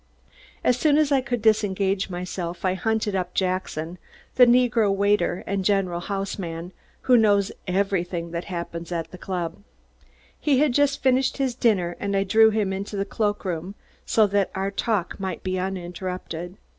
As soon as I could disengage myself I hunted up Jackson, the negro head waiter and general house man, who knows everything that happens at the club. He had just finished his dinner and I drew him into the cloak room so that our talk might be uninterrupted.